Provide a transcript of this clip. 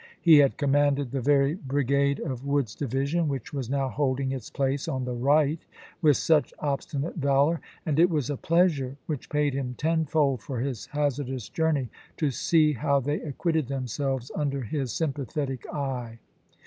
He had commanded the very p. ess." brigade of Wood's division which was now holding its place on the right with such obstinate valor, and it was a pleasure which paid him tenfold for his hazardous journey to see how they acquitted themselves under his sympathetic eye.